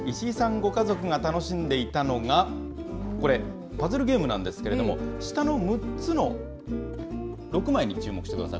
ご家族が楽しんでいたのが、これ、パズルゲームなんですけれども、下の６つの６枚に注目してください。